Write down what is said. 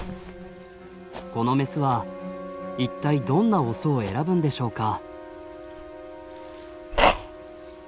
このメスは一体どんなオスを選ぶんでしょうか。